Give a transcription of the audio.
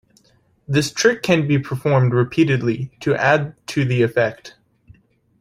This trick can be performed repeatedly to add to the effect.